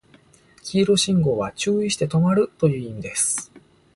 黄色信号は注意して止まるという意味です